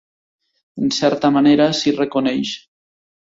En certa manera, s'hi reconeix.